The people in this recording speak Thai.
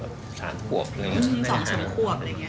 สามสามควบอะไรอย่างนี้ค่ะ